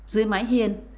dưới mái hiên